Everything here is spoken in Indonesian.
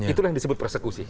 itulah yang disebut persekusi